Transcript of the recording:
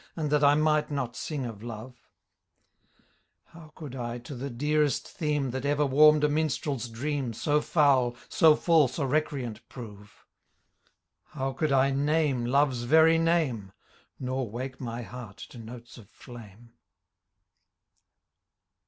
And that I might not sing of love ? How cojild I to the dearest theme. That ever warm'd a minstrePs dream. So foul, so &lse a recreant prove ! How could I name lovers very name. Nor wake my heart to notes of flame